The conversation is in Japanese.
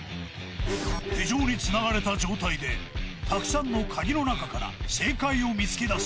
手錠につながれた状態で、たくさんの鍵の中から正解を見つけ出す。